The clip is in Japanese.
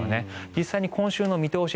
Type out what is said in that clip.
実際に今週の見通し